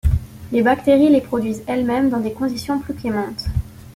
Les bactéries les produisent elles-mêmes dans des conditions plus clémentes.